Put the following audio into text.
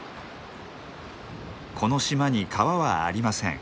この島に川はありません。